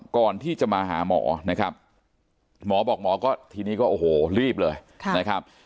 ก่อนที่จะมาหาหมอนะครับหมอบอกหมอก็ทีนี้ก็โอ้โหรีบเลยนะครับ